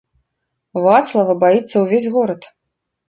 Вацлава баіцца ўвесь горад.